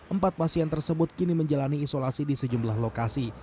empat pasien tersebut kini menjalani isolasi di sejumlah lokasi